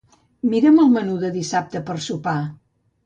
Mira'm el menú de dissabte per sopar.